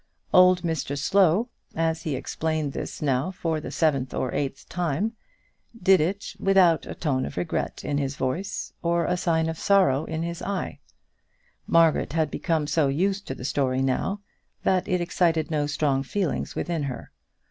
Old Mr Slow, as he explained this now for the seventh or eighth time, did it without a tone of regret in his voice, or a sign of sorrow in his eye. Margaret had become so used to the story now, that it excited no strong feelings within her.